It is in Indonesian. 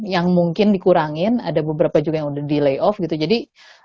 yang mungkin dikurangin ada beberapa juga yang udah delay off gitu jadi